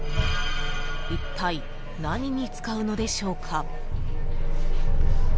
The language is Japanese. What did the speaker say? ［いったい何に使うのでしょうか？］